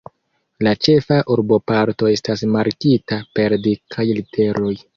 La ĉefa urboparto estas markita per dikaj literoj.